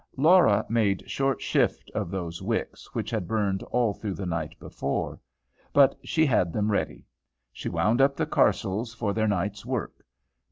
Laura made short shift of those wicks which had burned all through the night before. But she had them ready. She wound up the carcels for their night's work.